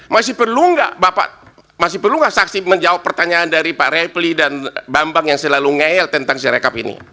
masih perlu enggak saksi menjawab pertanyaan dari pak reply dan bambang yang selalu ngeel tentang sirekap ini